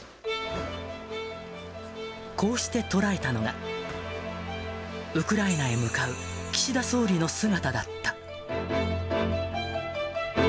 こうして捉えたのが、ウクライナへ向かう岸田総理の姿だった。